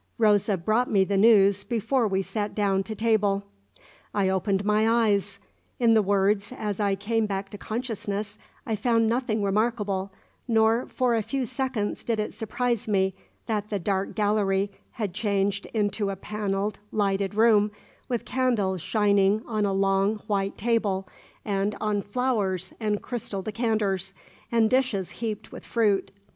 Rosa brought me the news before we sat down to table." I opened my eyes. In the words, as I came back to consciousness, I found nothing remarkable, nor for a few seconds did it surprise me that the dark gallery had changed into a panelled, lighted room, with candles shining on a long, white table, and on flowers and crystal decanters, and dishes heaped with fruit.